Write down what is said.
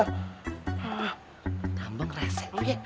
hah nambang resek lo ya